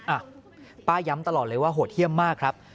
อ่ะป้าย้ำตลอดเลยว่าโหดเยี่ยมมากครับ